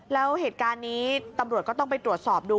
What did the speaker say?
แล้วเหตุการณ์นี้ตำรวจก็ต้องไปตรวจสอบดู